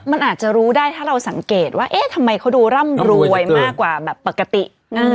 มันอาจจะรู้ได้ถ้าเราสังเกตว่าเอ๊ะทำไมเขาดูร่ำรวยมากกว่าแบบปกติ